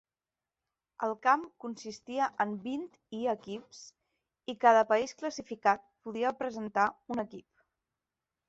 El camp consistia en vint-i equips i cada país classificat podia presentar un equip.